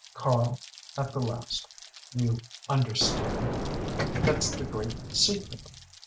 "Karl," at the last "you understand? That's the great secret!